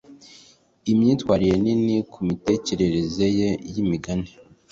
imyitwarire nini kumitekerereze ye yimigani